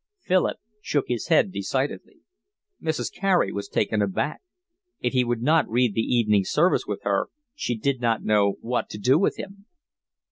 Philip shook his head decidedly. Mrs. Carey was taken aback. If he would not read the evening service with her she did not know what to do with him.